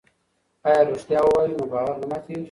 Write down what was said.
که رښتیا ووایو نو باور نه ماتیږي.